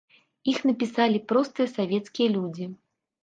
Іх напісалі простыя савецкія людзі.